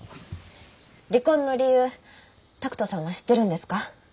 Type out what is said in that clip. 離婚の理由拓門さんは知ってるんですか？